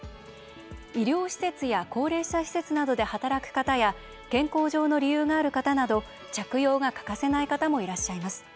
医療施設や高齢者施設などで働く方や健康上の理由がある方など着用が欠かせない方もいらっしゃいます。